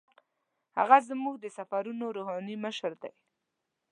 هغه زموږ د سفرونو روحاني مشر دی.